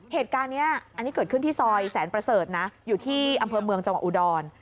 เหตุการณ์นี้อันนี้เกิดขึ้นที่ซอยแสนประเสริฐนะอยู่ที่อำเภอเมืองจังหวัดอุดร